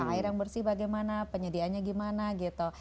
air yang bersih bagaimana penyedianya gimana gitu